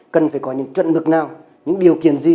cần phải có những chuẩn mực nào những điều kiện gì